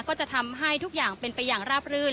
ก็จะทำให้ทุกอย่างเป็นไปอย่างราบรื่น